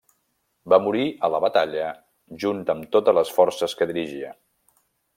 Va morir a la batalla junt amb totes les forces que dirigia.